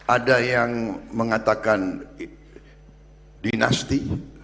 ada yang mengatakan dinasti